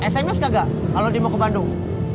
sms gagal kalau dia mau ke bandung